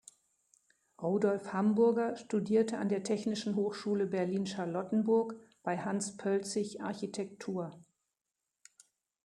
Rudolf Hamburger studierte an der Technischen Hochschule Berlin-Charlottenburg bei Hans Poelzig Architektur.